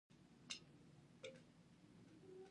د مڼې پوستکي ویټامین لري.